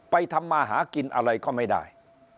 ทำมาหากินอะไรก็ไม่ได้